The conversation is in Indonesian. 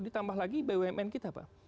ditambah lagi bumn kita pak